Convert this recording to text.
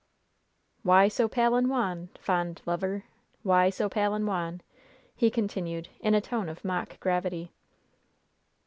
"'Why so pale and wan, fond lover? Why so pale and wan?'" he continued, in a tone of mock gravity.